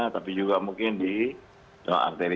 tapi juga mungkin di arteri